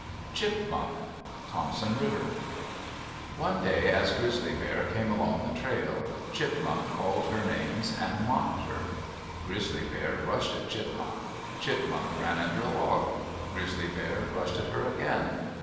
CHIPMUNK Thompson River One day, as Grizzly Bear came along the trail, Chipmunk called her names and mocked her. Grizzly Bear rushed at Chipmunk. Chipmunk ran under a log. Grizzly Bear rushed at her again.